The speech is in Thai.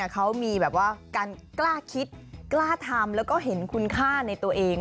เขามีแบบว่าการกล้าคิดกล้าทำแล้วก็เห็นคุณค่าในตัวเอง